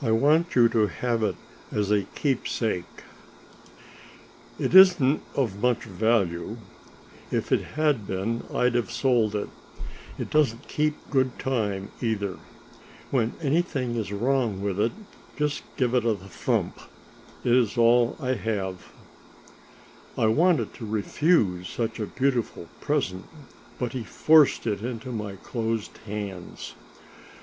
"I want you to have it as a keepsake. It isn't of much value; if it had been I'd have sold it. It doesn't keep good time, either. When anything is wrong with it, just give it a thump. It is all I have." I wanted to refuse such a beautiful present, but he forced it into my closed hands.